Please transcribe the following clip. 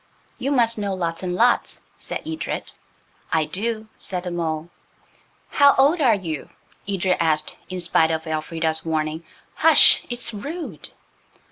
"You must know lots and lots," said Edred. "I do," said the mole. "How old are you?" Edred asked, in spite of Elfrida's warning "Hush! it's rude."